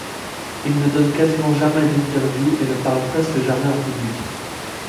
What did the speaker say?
Il ne donne quasiment jamais d'interview et ne parle presque jamais en public.